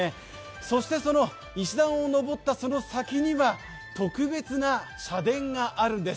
そしてその石段を上ったその先には、特別な社殿があるんです。